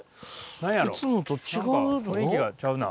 何か雰囲気がちゃうな。